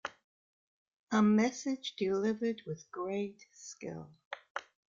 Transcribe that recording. A message delivered with great skill.